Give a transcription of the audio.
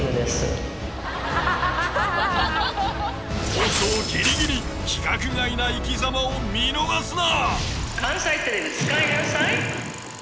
放送ギリギリ規格外な生きざまを見逃すな。